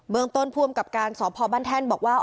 เมืองต้นผู้อำกับการสพบ้านแท่นบอกว่า